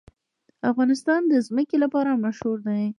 افغانستان د ځمکه لپاره مشهور دی.